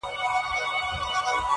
څوك به اوري فريادونه د زخميانو-